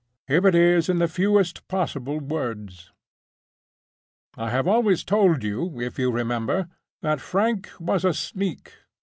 Here it is in the fewest possible words. "I always told you, if you remember, that Frank was a Sneak.